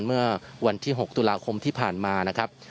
เมื่อวันที่๖ตุลาคมที่ผ่านมานะครับ